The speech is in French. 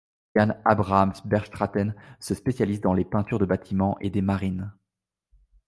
Jan Abrahamsz Beerstraaten se spécialise dans des peintures de bâtiments et des marines.